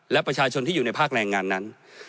และประชาชนที่อยู่ในภาคแรงงานนั้น